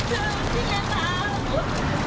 สวัสดีครับทุกคน